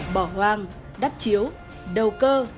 bỏ hoang đắt chiếu đầu cơ